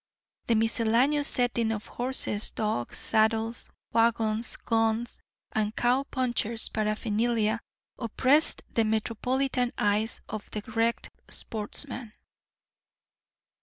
The miscellaneous setting of horses, dogs, saddles, wagons, guns, and cow punchers' paraphernalia oppressed the metropolitan eyes of the wrecked sportsman.